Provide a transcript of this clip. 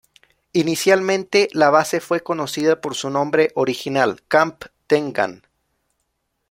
Inicialmente, la base fue conocida por su nombre original, Camp Tengan.